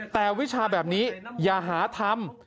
แต่วิชีแบบนี้อย่าหาธรรม